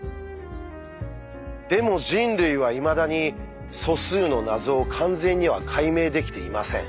でも人類はいまだに素数の謎を完全には解明できていません。